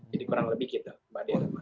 jadi kurang lebih kita mbak dea dan mas iqbal